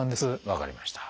分かりました。